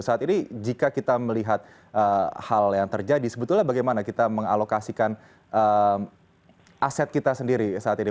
saat ini jika kita melihat hal yang terjadi sebetulnya bagaimana kita mengalokasikan aset kita sendiri saat ini